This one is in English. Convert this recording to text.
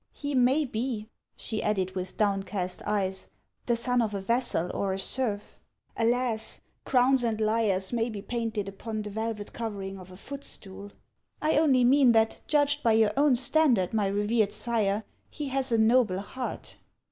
He may be," she added, with downcast eyes, " the son of a vassal or a serf. Alas ! crowns and lyres may be painted upon the velvet covering of a footstool. I only mean that, judged by your owii standard, my revered sire, he has a noble heart."